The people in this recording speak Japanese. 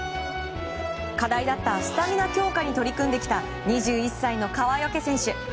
課題だったスタミナ強化に取り組んできた２１歳の川除選手。